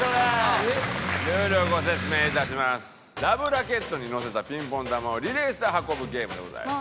ラケットに乗せたピンポン球をリレーして運ぶゲームでございます。